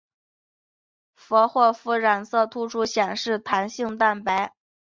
佛霍夫染色突出显示弹性蛋白。